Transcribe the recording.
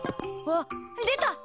あっ出た！